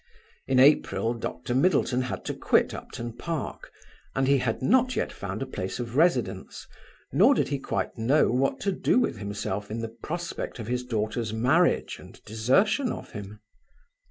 In April Dr Middleton had to quit Upton Park, and he had not found a place of residence, nor did he quite know what to do with himself in the prospect of his daughter's marriage and desertion of him.